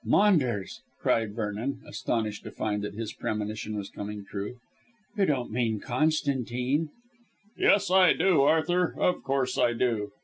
"Maunders!" cried Vernon, astonished to find that his premonition was coming true. "You don't mean Constantine?" "Yes, I do, Arthur; of course I do.